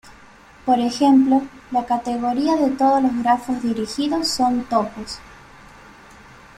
Por ejemplo, la categoría de todos los grafos dirigidos son topos.